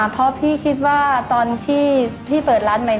เพราะพี่คิดว่าตอนที่พี่เปิดร้านใหม่